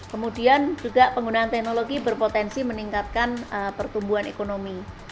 kemudian juga penggunaan teknologi berpotensi meningkatkan pertumbuhan ekonomi